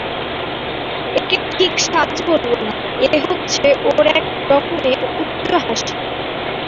একে ঠিক সাজ বলব না, এ হচ্ছে ওর এক রকমের উচ্চ হাসি।